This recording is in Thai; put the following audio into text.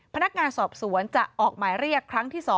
พนักงานสอบสวนจะออกหมายเรียกครั้งที่๒